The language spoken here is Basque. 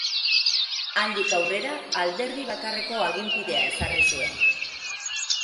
Handik aurrera, alderdi bakarreko aginpidea ezarri zuen.